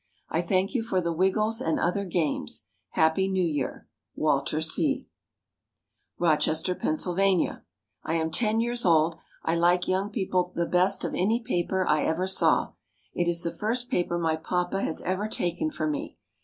I thank you for the "Wiggles" and other games. Happy New Year. WALTER C. ROCHESTER, PENNSYLVANIA. I am ten years old. I like Young People the best of any paper I ever saw. It is the first paper my papa has ever taken for me.